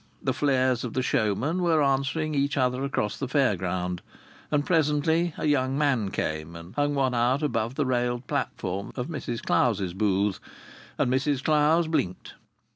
The flares of the showmen were answering each other across the Fair ground; and presently a young man came and hung one out above the railed platform of Mrs Clowes's booth; and Mrs Clowes blinked.